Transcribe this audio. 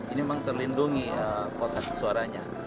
ini memang terlindungi kotak suaranya